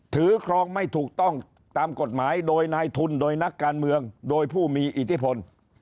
ครองไม่ถูกต้องตามกฎหมายโดยนายทุนโดยนักการเมืองโดยผู้มีอิทธิพล